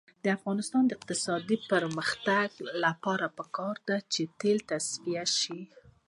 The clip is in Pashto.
د افغانستان د اقتصادي پرمختګ لپاره پکار ده چې تیل تصفیه شي.